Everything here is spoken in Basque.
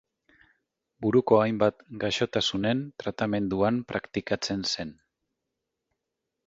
Buruko hainbat gaixotasunen tratamenduan praktikatzen zen.